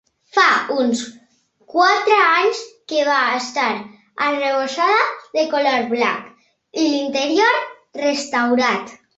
Fa uns quatre anys que va estar arrebossada de color blanc i l'interior restaurat.